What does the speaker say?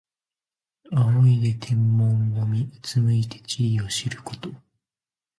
仰いで天文を見、うつむいて地理を知ること。